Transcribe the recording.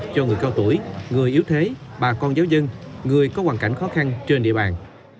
cho người cao tuổi người yếu thế bà con giáo dân người có hoàn cảnh khó khăn trên địa bàn